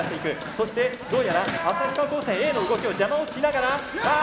そしてどうやら旭川高専Ａの動きを邪魔をしながらああ！